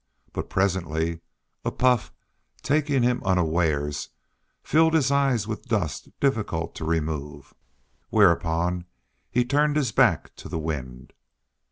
But presently a puff, taking him unawares, filled his eyes with dust difficult of removal. Whereupon he turned his back to the wind.